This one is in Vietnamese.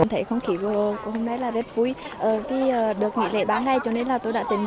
thấy không khí vô hôm nay rất vui vì được nghỉ lễ ba ngày cho nên tôi đã tìm dụng